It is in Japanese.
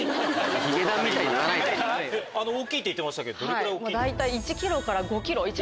大きいって言ってましたけどどれくらい大きいんですか？